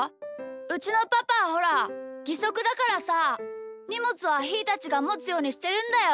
うちのパパはほらぎそくだからさにもつはひーたちがもつようにしてるんだよ。